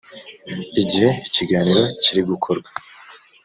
igihe ikiganiro kiri gukorwa